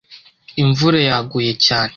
Imvura yaguye cyane.